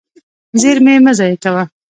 زېرمې مه ضایع کوه.